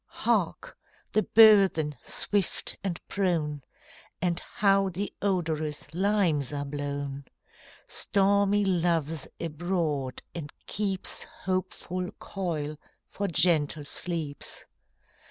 Hark! the burthen, swift and prone! And how the odorous limes are blown! Stormy Love's abroad, and keeps Hopeful coil for gentle sleeps.